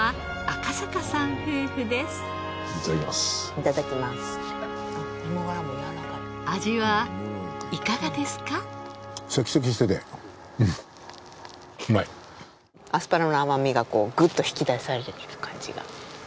アスパラの甘みがこうグッと引き出されている感じが。